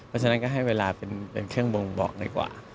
เพราะฉะนั้นก็ให้เวลาเป็นเครื่องบ่งบอกดีกว่า